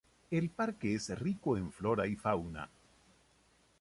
El parque es rico en flora y fauna.